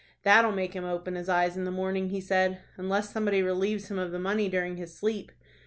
"That'll make him open his eyes in the morning," he said. "Unless somebody relieves him of the money during his sleep."